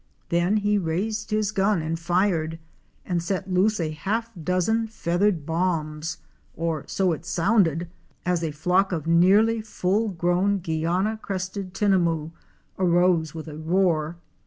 Then he raised his gun and fired, and set loose a half dozen feathered bombs, or so it sounded as a flock of nearly full grown JUNGLE LIFE AT AREMU 319 Guiana Crested Tinamou' arose with a roar.